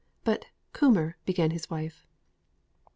"But, Coomber," began his wife.